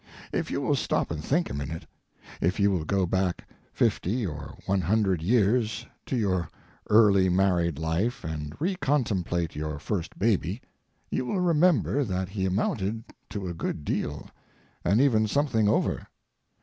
If you will stop and think a minute—if you will go back fifty or one hundred years to your early married life and recontemplate your first baby—you will remember that he amounted to a good deal, and even something over.